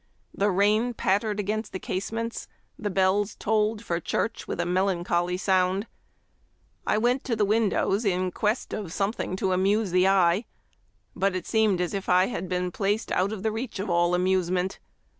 The rain pattered against the casements, the bells tolled for church with a melancholy sound. I went to the win dows in quest of something to amuse the eye, but it seemed as if I had been placed out of the reach of all amusement.